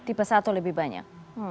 tipe satu lebih banyak